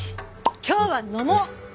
今日は飲もう！